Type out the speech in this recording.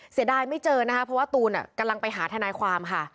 เสียดายไม่เจอนะคะเพราะว่าตูนกำลังไปหาทนายความค่ะ